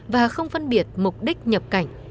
và không phân biệt mục đích nhập cảnh